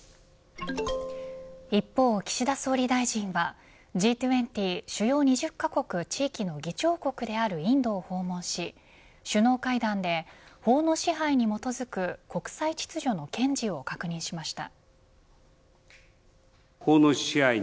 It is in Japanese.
一方、岸田総理大臣はＧ２０主要２０カ国地域の議長国であるインドを訪問し、首脳会談で法の支配に基づく国際秩序の堅持を確認しました。